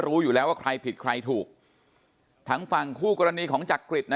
รู้อยู่แล้วว่าใครผิดใครถูกทั้งฝั่งคู่กรณีของจักริตนะ